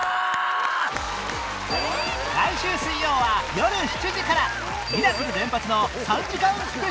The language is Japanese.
来週水曜はよる７時からミラクル連発の３時間スペシャル！